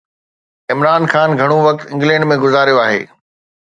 عمران خان گهڻو وقت انگلينڊ ۾ گذاريو آهي.